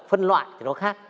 phân loại thì nó khác